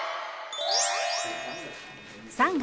３月。